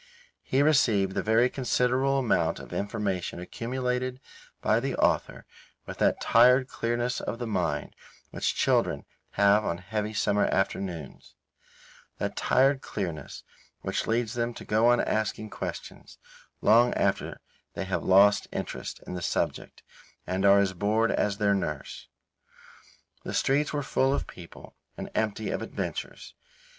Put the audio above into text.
He received the very considerable amount of information accumulated by the author with that tired clearness of the mind which children have on heavy summer afternoons that tired clearness which leads them to go on asking questions long after they have lost interest in the subject and are as bored as their nurse. The streets were full of people and empty of adventures.